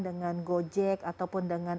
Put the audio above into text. dengan gojek ataupun dengan